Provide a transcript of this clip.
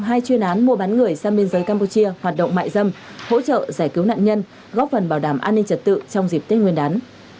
hai chuyên án mua bán người sang biên giới campuchia hoạt động mại dâm hỗ trợ giải cứu nạn nhân góp phần bảo đảm an ninh trật tự trong dịp tết nguyên đán